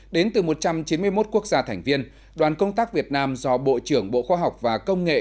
đến từ một trăm chín mươi một quốc gia thành viên đoàn công tác việt nam do bộ trưởng bộ khoa học và công nghệ